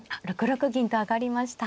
６六銀と上がりました。